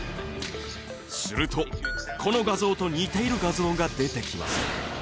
するとこの画像と似ている画像が出て来ます。